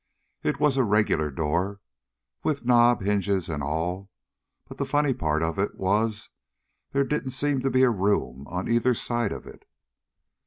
It was a regular door, with a knob, hinges and all, but the funny part of it was there didn't seem to be a room on either side of it.